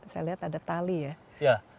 saya lihat ada tali ya